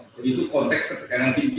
jadi itu konteks ketegangan tinggi